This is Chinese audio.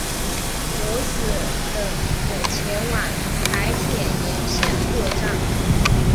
由此等可前往台铁沿线各站。